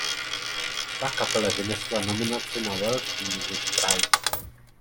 Ta kapele vynesla nominaci na Welsh Music Prize.